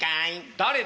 誰だ？